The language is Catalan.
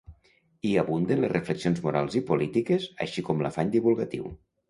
Hi abunden les reflexions morals i polítiques, així com l'afany divulgatiu.